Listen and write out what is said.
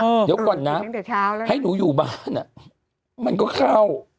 เดี๋ยวก่อนนะให้หนูอยู่บ้านอ่ะมันก็เข้า